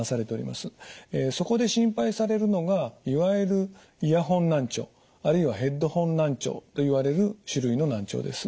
そこで心配されるのがいわゆるイヤホン難聴あるいはヘッドホン難聴といわれる種類の難聴です。